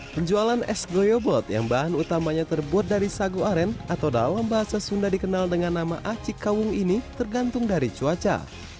penjualan es goyobot yang bahan utamanya terbuat dari sagu aren atau dalam bahasa sunda dikenal dengan nama acik kawung ini tergantung dari cuaca